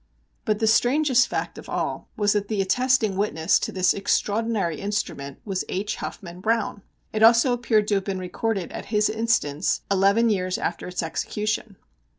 But the strangest fact of all was that the attesting witness to this extraordinary instrument was H. Huffman Browne! It also appeared to have been recorded at his instance eleven years after its execution.